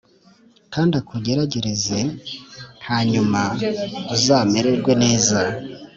kandi akugerageze hanyuma uzamererwe neza,